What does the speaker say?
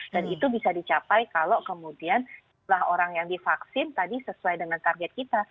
dan itu bisa dicapai kalau kemudian setelah orang yang divaksin tadi sesuai dengan target kita